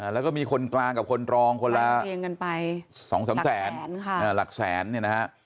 แล้วก็มีคนกลางกับคนรองคนละ๒๓แสนหลักแสน